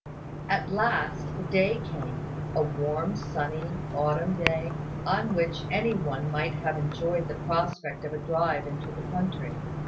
At last, the day came; a warm, sunny, autumn day, on which any one might have enjoyed the prospect of a drive into the country.